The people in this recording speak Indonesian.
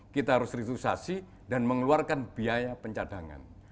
kita harus returisasi dan mengeluarkan biaya pencadangan